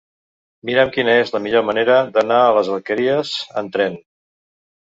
Mira'm quina és la millor manera d'anar a les Alqueries amb tren.